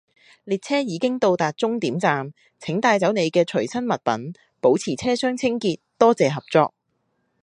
列車已到達終點站，請帶走你嘅隨身物品，保持車廂清潔，多謝合作